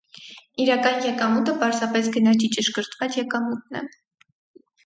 Իրական եկամուտը պարզապես գնաճի ճշգրտված եկամուտն է։